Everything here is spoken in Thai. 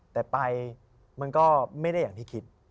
แต่ไปมันก็ไม่ได้อย่างที่คิด